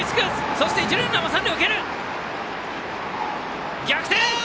そして一塁ランナーも三塁を蹴って逆転！